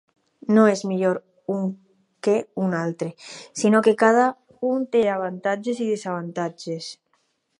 No és millor un que un altre, sinó que cada un té avantatges i desavantatges.